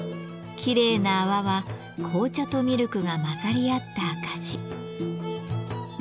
きれいな泡は紅茶とミルクが混ざり合った証し。